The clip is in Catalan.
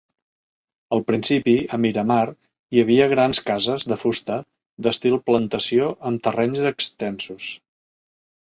Al principi a Miramar hi havia grans cases de fusta d'estil plantació amb terrenys extensos.